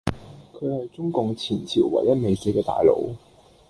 佢係中共前朝唯一未死既大佬